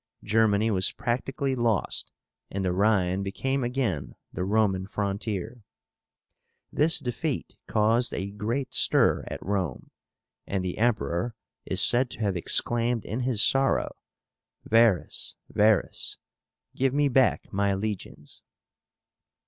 Germany was practically lost and the Rhine became again the Roman frontier. This defeat caused a great stir at Rome, and the Emperor is said to have exclaimed in his sorrow, "Varus, Varus, give me back my legions!"